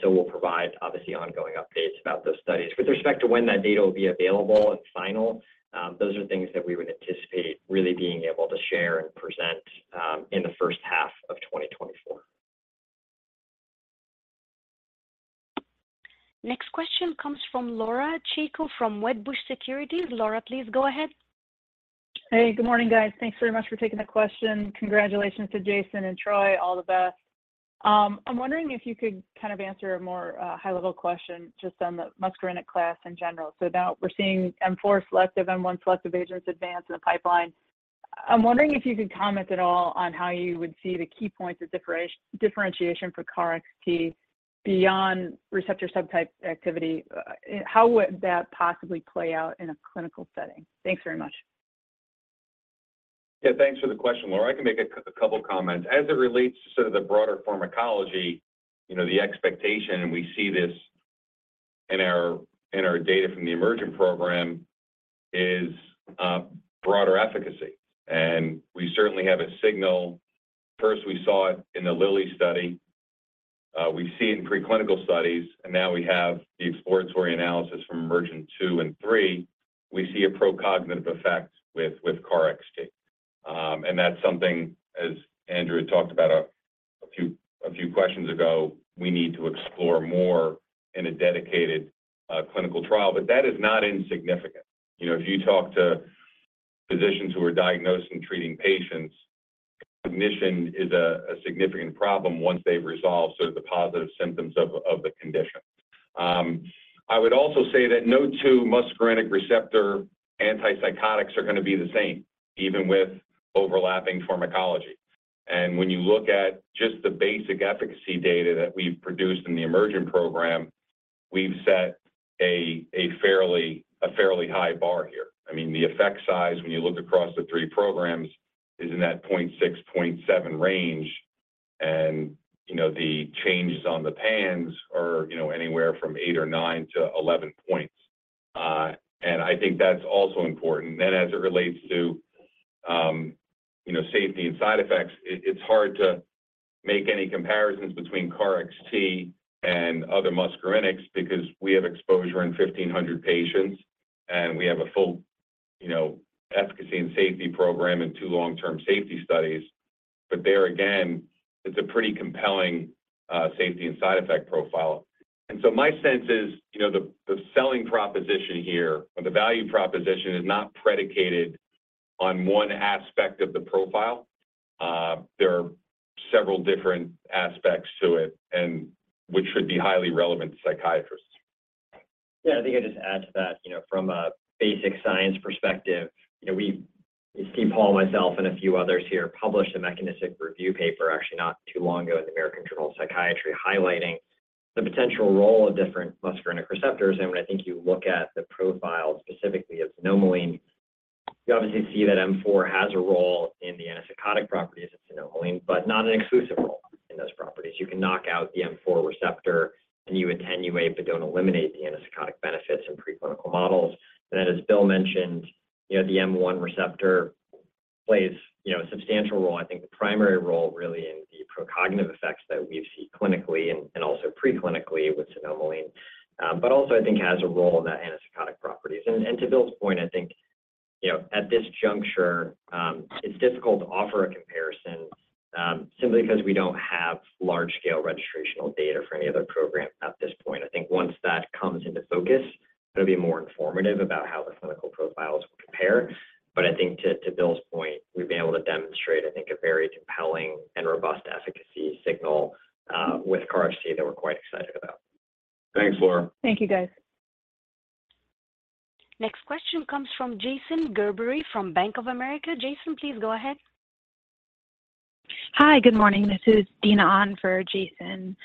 We'll provide, obviously, ongoing updates about those studies. With respect to when that data will be available and final, those are things that we would anticipate really being able to share and present, in the first half of 2024. Next question comes from Laura Chico from Wedbush Securities. Laura, please go ahead. Hey, good morning, guys. Thanks very much for taking the question. Congratulations to Jason and Troy. All the best. I'm wondering if you could kind of answer a more high-level question just on the muscarinic class in general. Now we're seeing M4 selective, M1 selective agents advance in the pipeline. I'm wondering if you could comment at all on how you would see the key points of differentiation for KarXT beyond receptor subtype activity. How would that possibly play out in a clinical setting? Thanks very much. Yeah, thanks for the question, Laura. I can make a couple comments. As it relates to sort of the broader pharmacology, you know, the expectation, and we see this in our, in our data from the EMERGENT program, is broader efficacy, and we certainly have a signal. First, we saw it in the Lilly study, we've seen preclinical studies, now we have the exploratory analysis from EMERGENT-2 and -3. We see a pro-cognitive effect with, with KarXT. That's something, as Andrew talked about a few, a few questions ago, we need to explore more in a dedicated clinical trial, but that is not insignificant. You know, if you talk to physicians who are diagnosed and treating patients, cognition is a significant problem once they've resolved sort of the positive symptoms of the condition. I would also say that no two muscarinic receptor antipsychotics are going to be the same, even with overlapping pharmacology. When you look at just the basic efficacy data that we've produced in the EMERGENT program, we've set a fairly, a fairly high bar here. I mean, the effect size, when you look across the three programs, is in that 0.6, 0.7 range. You know, the changes on the PANSS are, you know, anywhere from 8 or 9-11 points. I think that's also important. As it relates to, you know, safety and side effects, it's hard to make any comparisons between KarXT and other muscarinics because we have exposure in 1,500 patients, and we have a full, you know, efficacy and safety program and two long-term safety studies. There again, it's a pretty compelling safety and side effect profile. So my sense is, you know, the selling proposition here, or the value proposition, is not predicated on one aspect of the profile. There are several different aspects to it, and which should be highly relevant to psychiatrists. Yeah, I think I'll just add to that. You know, from a basic science perspective, you know, we Steve, Paul, myself, and a few others here published a mechanistic review paper, actually not too long ago in The American Journal of Psychiatry, highlighting the potential role of different muscarinic receptors. When I think you look at the profile specifically of xanomeline, you obviously see that M4 has a role in the antipsychotic properties of xanomeline, but not an exclusive role in those properties. You can knock out the M4 receptor, and you attenuate, but don't eliminate the antipsychotic benefits in preclinical models. Then, as Bill mentioned, you know, the M1 receptor plays, you know, a substantial role. I think the primary role, really, in the procognitive effects that we see clinically and, and also preclinically with xanomeline, but also, I think has a role in the antipsychotic properties. To Bill's point, I think, you know, at this juncture, it's difficult to offer a comparison, simply because we don't have large-scale registrational data for any other program at this point. I think once that comes into focus, it'll be more informative about how the clinical profiles will compare. I think to, to Bill's point, we've been able to demonstrate, I think, a very compelling and robust efficacy signal with KarXT that we're quite excited about. Thanks, Laura. Thank you, guys. Next question comes from Jason Gerberry from Bank of America. Jason, please go ahead. Hi, good morning. This is Dina on for Jason.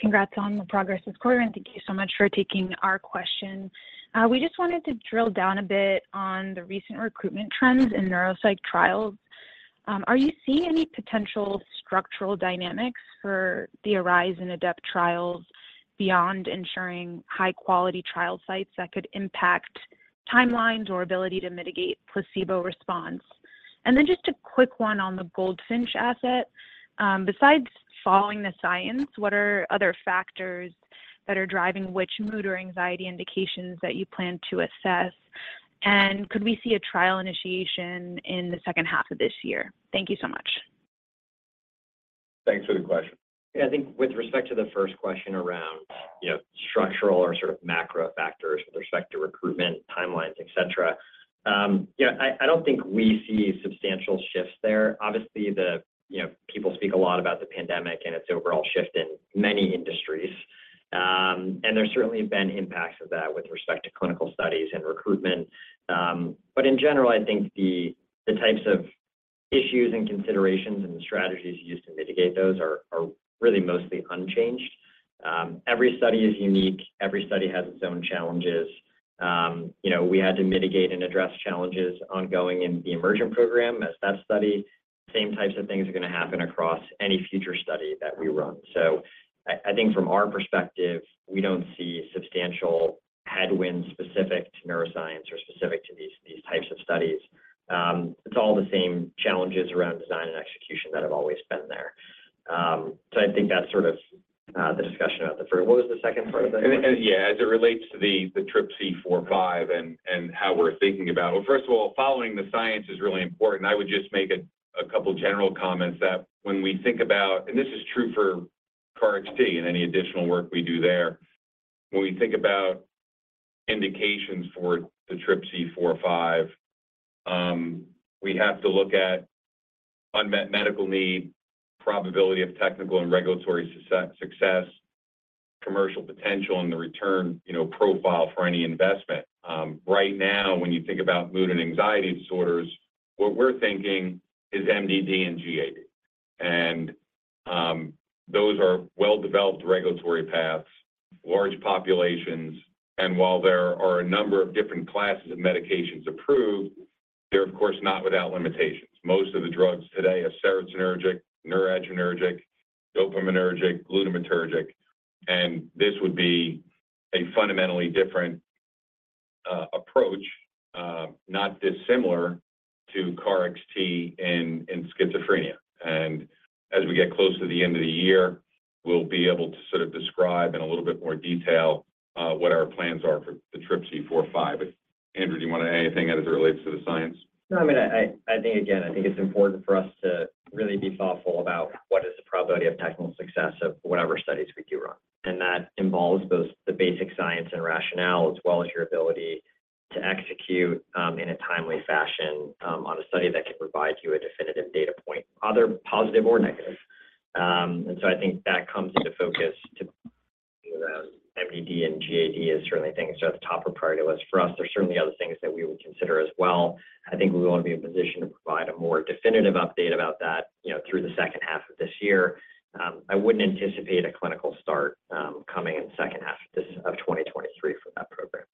Congrats on the progress this quarter, and thank you so much for taking our question. We just wanted to drill down a bit on the recent recruitment trends in neuropsych trials. Are you seeing any potential structural dynamics for the ARISE and ADEPT trials beyond ensuring high-quality trial sites that could impact timelines or ability to mitigate placebo response? Then just a quick one on the Goldfinch asset. Besides following the science, what are other factors that are driving which mood or anxiety indications that you plan to assess? Could we see a trial initiation in the second half of this year? Thank you so much. Thanks for the question. Yeah, I think with respect to the first question around, you know, structural or sort of macro factors with respect to recruitment, timelines, et cetera, yeah, I, I don't think we see substantial shifts there. Obviously, the, you know, people speak a lot about the pandemic and its overall shift in many industries. There's certainly been impacts of that with respect to clinical studies and recruitment. In general, I think the, the types of issues and considerations and strategies used to mitigate those are, are really mostly unchanged. Every study is unique. Every study has its own challenges. You know, we had to mitigate and address challenges ongoing in the EMERGENT program as that study. Same types of things are going to happen across any future study that we run. I, I think from our perspective, we don't see substantial headwinds specific to neuroscience or specific to these, these types of studies. It's all the same challenges around design and execution that have always been there. I think that's sort of the discussion about the first. What was the second part of the question? Yeah, as it relates to the TRPC4/5 and, and how we're thinking about. Well, first of all, following the science is really important. I would just make a couple general comments that when we think about, and this is true for KarXT and any additional work we do there. When we think about indications for the TRPC4/5, we have to look at unmet medical need, probability of technical and regulatory success, commercial potential, and the return, you know, profile for any investment. Right now, when you think about mood and anxiety disorders, what we're thinking is MDD and GAD. Those are well-developed regulatory paths, large populations, and while there are a number of different classes of medications approved, they're of course not without limitations. Most of the drugs today are serotonergic, noradrenergic, dopaminergic, glutamatergic, and this would be a fundamentally different, approach, not dissimilar to KarXT in, in schizophrenia. As we get close to the end of the year, we'll be able to sort of describe in a little bit more detail, what our plans are for the TRPC4/5. Andrew, do you want to add anything as it relates to the science? No, I mean, I, I, I think, again, I think it's important for us to really be thoughtful about what is the probability of technical success of whatever studies we do run. That involves both the basic science and rationale, as well as your ability to execute, in a timely fashion, on a study that can provide you a definitive data point, either positive or negative. I think that comes into focus to, MDD and GAD is certainly, I think, is at the top of priority list for us. There's certainly other things that we would consider as well. I think we want to be in a position to provide a more definitive update about that, you know, through the second half of this year. I wouldn't anticipate a clinical start, coming in the second half of this, of 2023 for that program.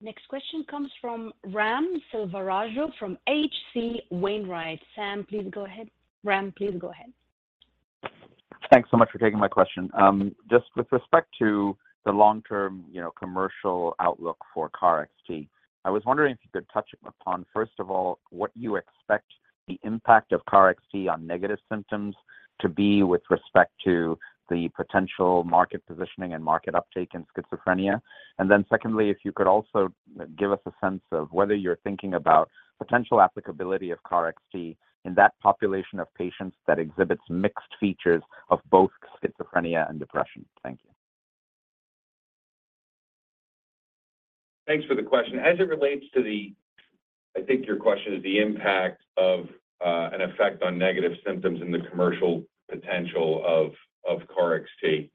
Next question comes from Ram Selvaraju from H.C. Wainwright. Sam, please go ahead. Ram, please go ahead. Thanks so much for taking my question. Just with respect to the long-term, you know, commercial outlook for KarXT, I was wondering if you could touch upon, first of all, what you expect the impact of KarXT on negative symptoms to be with respect to the potential market positioning and market uptake in schizophrenia? Then secondly, if you could also give us a sense of whether you're thinking about potential applicability of KarXT in that population of patients that exhibits mixed features of both schizophrenia and depression. Thank you. Thanks for the question. I think your question is the impact of an effect on negative symptoms and the commercial potential of KarXT.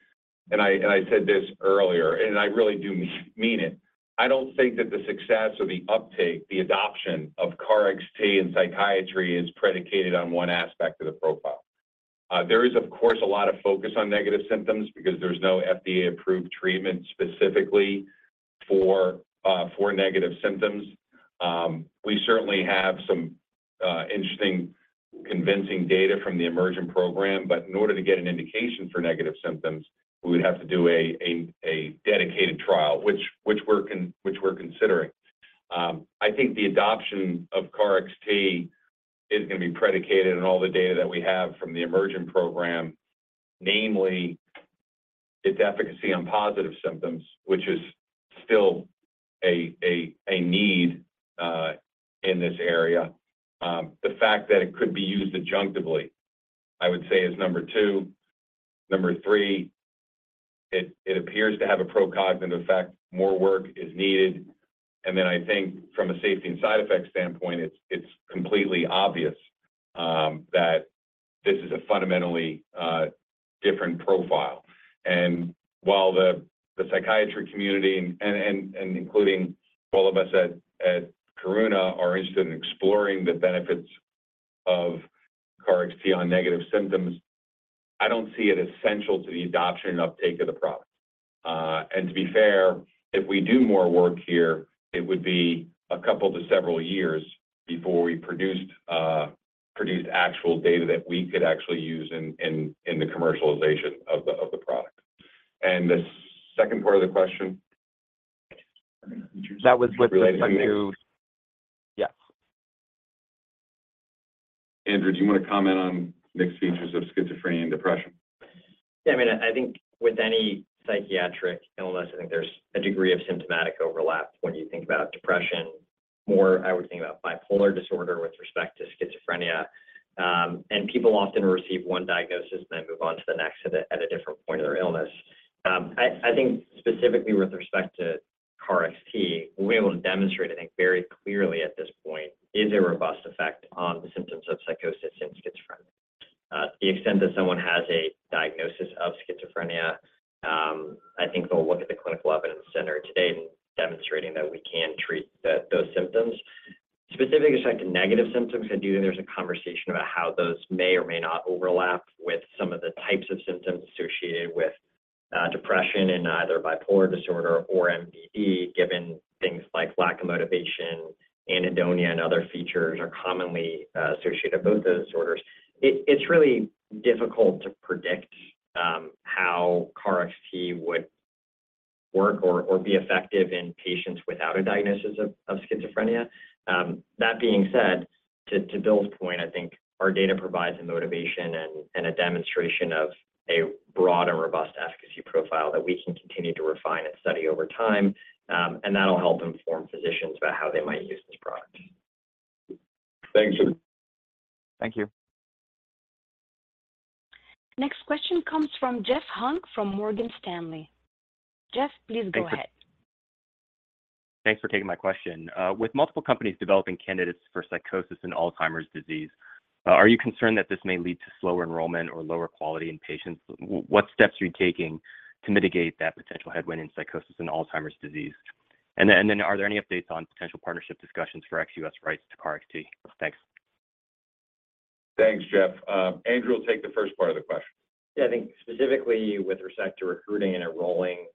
I, and I said this earlier, and I really do mean it. I don't think that the success or the uptake, the adoption of KarXT in psychiatry is predicated on one aspect of the profile. There is, of course, a lot of focus on negative symptoms because there's no FDA-approved treatment specifically for negative symptoms. We certainly have some interesting, convincing data from the EMERGENT program, but in order to get an indication for negative symptoms, we would have to do a dedicated trial, which we're considering. I think the adoption of KarXT is going to be predicated on all the data that we have from the EMERGENT program, namely its efficacy on positive symptoms, which is still a need in this area. The fact that it could be used adjunctively, I would say is number two. Number three, it appears to have a pro-cognitive effect. More work is needed. I think from a safety and side effects standpoint, it's completely obvious that this is a fundamentally different profile. While the psychiatry community and including all of us at Karuna, are interested in exploring the benefits of KarXT on negative symptoms, I don't see it essential to the adoption and uptake of the product. To be fair, if we do more work here, it would be a couple to several years before we produced actual data that we could actually use in, in, in the commercialization of the product. The second part of the question? That was with respect to... Yes. Andrew, do you want to comment on mixed features of schizophrenia and depression? Yeah, I mean, I think with any psychiatric illness, I think there's a degree of symptomatic overlap when you think about depression. More, I would think about bipolar disorder with respect to schizophrenia. People often receive one diagnosis and then move on to the next at a different point in their illness. I think specifically with respect to KarXT, we're able to demonstrate, I think, very clearly at this point, is a robust effect on the symptoms of psychosis in schizophrenia. The extent that someone has a diagnosis of schizophrenia, I think they'll look at the clinical evidence center today in demonstrating that we can treat those symptoms. Specific effect to negative symptoms, I do think there's a conversation about how those may or may not overlap with some of the types of symptoms associated with depression in either bipolar disorder or MDD, given things like lack of motivation, anhedonia, and other features are commonly associated with both those disorders. It, it's really difficult to predict how KarXT would work or be effective in patients without a diagnosis of schizophrenia. That being said, to Bill's point, I think our data provides a motivation and a demonstration of a broad and robust efficacy profile that we can continue to refine and study over time, and that'll help inform physicians about how they might use this product. Thank you. Thank you. Next question comes from Jeff Hung from Morgan Stanley. Jeff, please go ahead. Thanks for taking my question. With multiple companies developing candidates for psychosis and Alzheimer's disease, are you concerned that this may lead to slower enrollment or lower quality in patients? What steps are you taking to mitigate that potential headwind in psychosis and Alzheimer's disease? Are there any updates on potential partnership discussions for ex-U.S. rights to KarXT? Thanks. Thanks, Jeff. Andrew will take the first part of the question. Yeah, I think specifically with respect to recruiting and enrolling,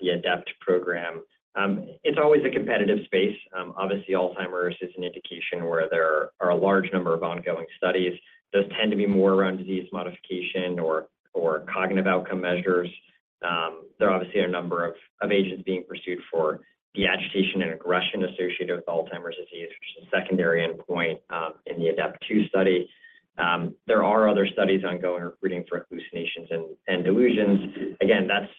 the ADEPT program, it's always a competitive space. Obviously, Alzheimer's is an indication where there are a large number of ongoing studies. Those tend to be more around disease modification or, or cognitive outcome measures. There are obviously a number of, of agents being pursued for the agitation and aggression associated with Alzheimer's disease, which is a secondary endpoint, in the ADEPT-2 study. There are other studies ongoing recruiting for hallucinations and, and delusions. Again, that's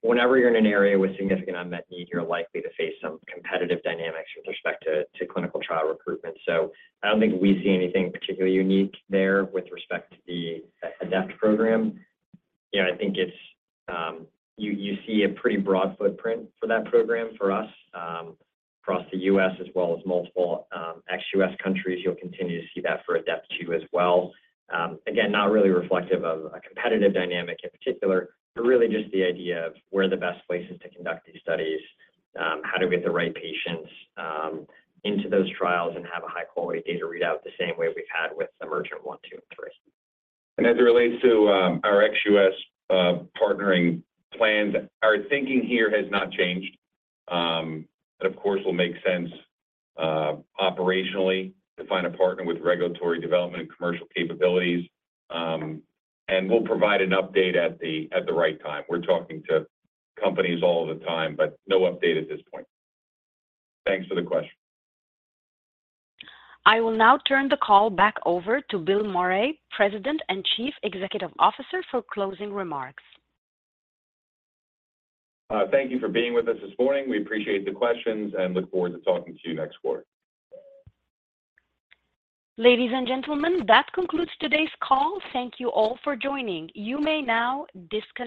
whenever you're in an area with significant unmet need, you're likely to face some competitive dynamics with respect to, to clinical trial recruitment. I don't think we see anything particularly unique there with respect to the ADEPT program. Yeah, I think it's, you, you see a pretty broad footprint for that program for us, across the US as well as multiple, ex-U.S. countries. You'll continue to see that for ADEPT2 as well. Again, not really reflective of a competitive dynamic in particular, but really just the idea of where are the best places to conduct these studies, how to get the right patients, into those trials and have a high-quality data readout, the same way we've had with the EMERGENT-1, -2, and -3. As it relates to our ex-US partnering plans, our thinking here has not changed. It of course, will make sense operationally to find a partner with regulatory development and commercial capabilities. We'll provide an update at the, at the right time. We're talking to companies all the time, but no update at this point. Thanks for the question. I will now turn the call back over to Bill Meury, President and Chief Executive Officer, for closing remarks. Thank you for being with us this morning. We appreciate the questions and look forward to talking to you next quarter. Ladies and gentlemen, that concludes today's call. Thank you all for joining. You may now disconnect.